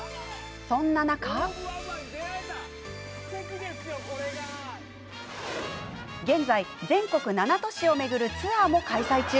そんな中現在、全国７都市を巡るツアーも開催中。